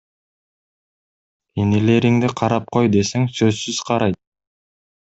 Инилериңди карап кой десең сөзсүз карайт.